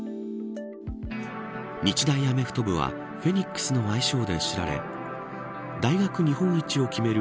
日大アメフト部はフェニックスの愛称で知られ大学日本一を決める